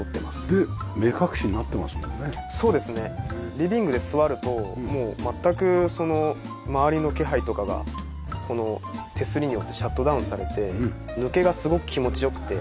リビングで座るともう全く周りの気配とかがこの手すりによってシャットダウンされて抜けがすごく気持ち良くて。